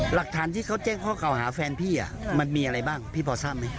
หลักฐานที่เขาแจ้งข้อเก่าหาแฟนพี่มันมีอะไรบ้างพี่พอทราบไหม